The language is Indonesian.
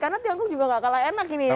karena tiongkok juga nggak kalah enak ini ya